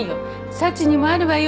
サチにもあるわよ